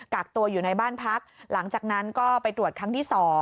กักตัวอยู่ในบ้านพักหลังจากนั้นก็ไปตรวจครั้งที่๒